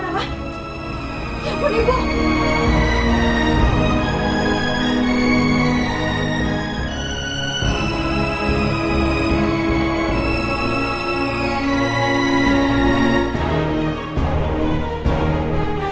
ya ampun ibu